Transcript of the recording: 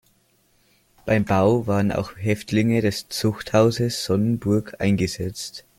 Beim Bau waren auch Häftlinge des Zuchthauses Sonnenburg eingesetzt.